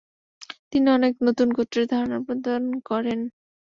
তিনি অনেক নতুন গোত্রের ধারণা প্রদান করেন।